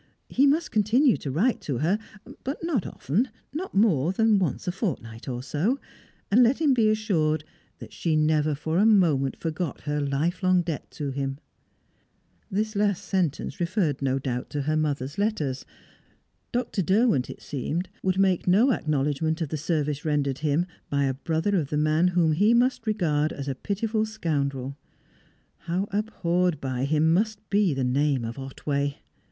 He must continue to write to her, but not often, not more than once a fortnight or so. And let him be assured that she never for a moment forgot her lifelong debt to him. This last sentence referred, no doubt, to her mother's letters. Dr. Derwent, it seemed, would make no acknowledgment of the service rendered him by a brother of the man whom he must regard as a pitiful scoundrel. How abhorred by him must be the name of Otway!